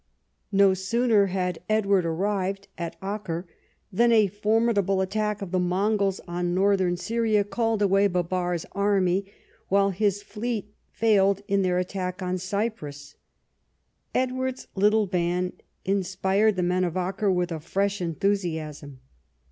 No sooner had Edward arrived at Acre than a formidable attack of the Mongols on Northern Syria called away Bibars' army, while his fleet failed in their attack on Cyprus. Edward's little band inspired the men of Acre with a fresh enthusiasm.